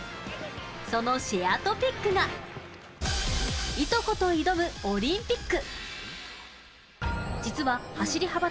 そのシェアＴＯＰＩＣが、いとこと挑むオリンピック。